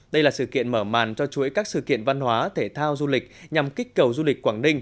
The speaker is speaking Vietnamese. đây là sự kiện mở màn cho chuỗi các sự kiện văn hóa thể thao du lịch nhằm kích cầu du lịch quảng ninh